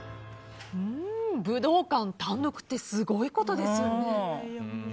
武道館単独ってすごいことですよね。